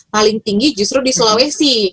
paling tinggi justru di sulawesi